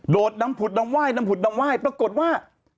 โดดน้ำผุดน้ำไหว้ปรากฏว่า